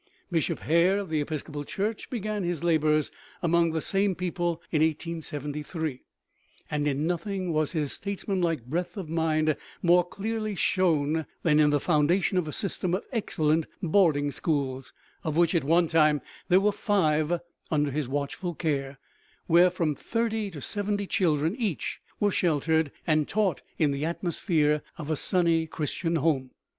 Bishop Hare of the Episcopal Church began his labors among the same people in 1873; and in nothing was his statesmanlike breadth of mind more clearly shown than in the foundation of a system of excellent boarding schools, of which at one time there were five under his watchful care, where from thirty to seventy children each were sheltered and taught in the atmosphere of a sunny Christian home.